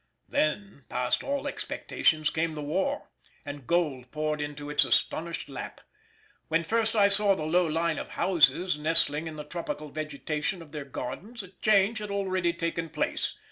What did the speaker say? Then past all expectations came the war, and gold poured into its astonished lap. When first I saw the low line of houses nestling in the tropical vegetation of their gardens a change had already taken place.